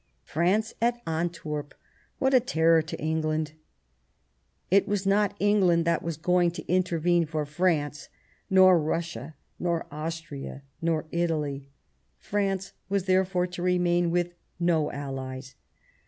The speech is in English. France at Antwerp — ^what a terror to England ! It was not England that was going to intervene for France, nor Russia, nor Austria, nor Italy ; France was therefore to remain with no Allies.